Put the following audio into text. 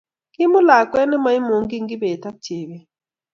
Kimuut lakwet nemaimuchige kibet ago chebet